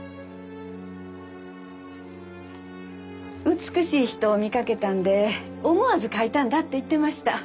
美しい人を見かけたんで思わず描いたんだって言ってました。